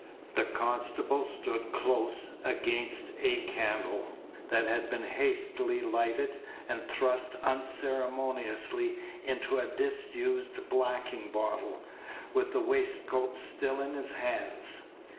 The constable stood close against a candle, that had been hastily lighted and thrust unceremoniously into a disused blacking bottle, with the waistcoat still in his hands.